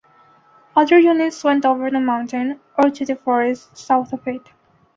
Other units went over the mountain or to the forests south of it.